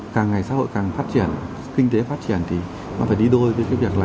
càng ngày xã hội càng phát triển kinh tế phát triển thì nó phải đi đôi với cái việc là